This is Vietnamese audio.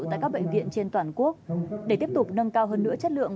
tại các bệnh viện trên toàn quốc để tiếp tục nâng cao hơn nữa chất lượng